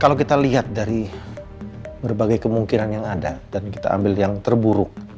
kalau kita lihat dari berbagai kemungkinan yang ada dan kita ambil yang terburuk